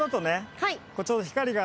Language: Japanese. はい。